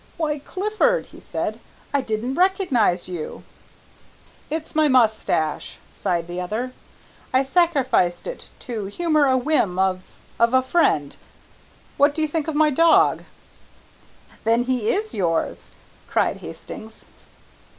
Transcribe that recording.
"Why, Clifford," he said, "I didn't recognize you." "It's my moustache," sighed the other. "I sacrificed it to humour a whim of of a friend. What do you think of my dog?" "Then he is yours?" cried Hastings.